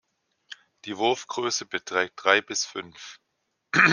Die Wurfgröße beträgt drei bis fünf.